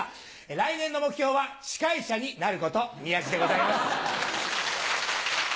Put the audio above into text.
来年の目標は司会者になること宮治でございます。